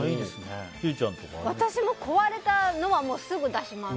私も壊れたのは、すぐ出します。